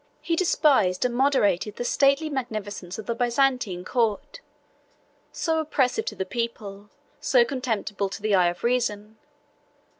He despised and moderated the stately magnificence of the Byzantine court, so oppressive to the people, so contemptible to the eye of reason.